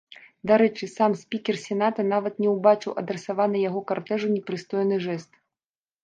Дарэчы, сам спікер сената нават не ўбачыў адрасаваны яго картэжу непрыстойны жэст.